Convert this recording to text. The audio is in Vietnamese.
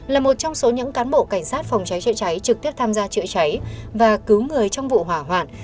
là một trong số những cán bộ cảnh sát phòng cháy chữa cháy trực tiếp tham gia chữa cháy và cứu người trong vụ hỏa hoạn